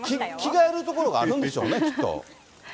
着替える所があるんでしょうね、きっと。